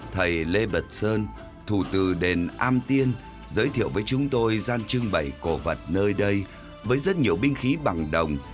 thầy lê bật sơn thủ từ đền am tiên giới thiệu với chúng tôi gian trưng bày cổ vật nơi đây với rất nhiều binh khí bằng đồng